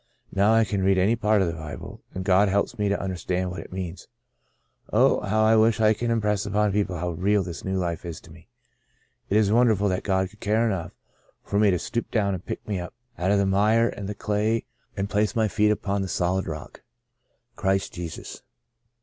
Now I can read any part of the Bible, and God helps me to understand what it means. Oh, how I wish I could impress on people how real this new life is to me. It is wonderful that God could care enough for me to stoop down and pick me up out of the mire and the clay " Out of Nazareth '* 1 29 and place my feet upon the solid rock, Christ Jesus.